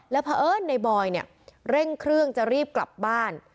แล้วเพราะเอิญในบอยเนี่ยเร่งเครื่องจะรีบกลับบ้าน